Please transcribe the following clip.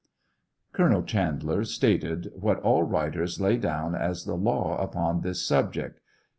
Colonel Chandler stated what all writers lay down as the law upon this sub ject.